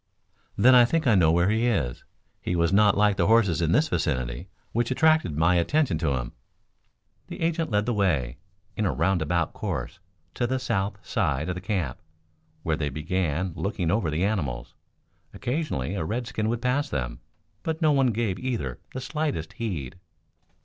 "Then I think I know where he is. He was not like the horses in this vicinity, which attracted my attention to him." The agent led the way, in a roundabout course, to the south side of the camp, where they began looking over the animals. Occasionally a redskin would pass them, but no one gave either the slightest heed.